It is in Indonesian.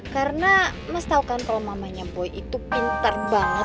karena mas tau kan kalau mamanya boy itu pinter banget